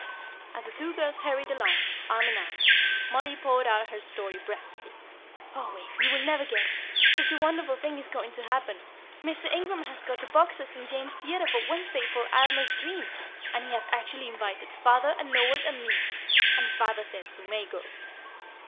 As the two girls hurried along, arm in arm, Mollie poured out her story breathlessly. "Oh, Wave, you will never guess; such a wonderful thing is going to happen! Mr. Ingram has got a box at St. James's Theatre for Wednesday for Aylmer's Dream, and he has actually invited father, and Noel, and me; and father says we may go."